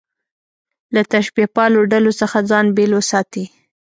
له تشبیه پالو ډلو څخه ځان بېل وساتي.